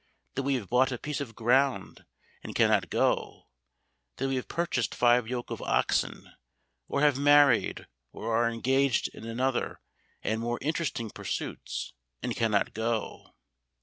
that we have bought a piece of ground and cannot go? that we have purchased five yoke of oxen, or have married, or are engaged in other and more interesting pursuits, and cannot go?